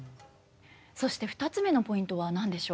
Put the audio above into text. そして２つ目のポイントは何でしょう？